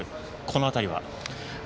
この辺りは？